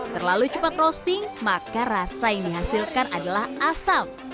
terlalu cepat roasting maka rasa yang dihasilkan adalah asam